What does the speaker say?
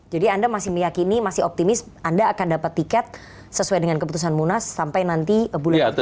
jadi anda masih meyakini masih optimis anda akan dapat tiket sesuai dengan keputusan munas sampai nanti bulan oktober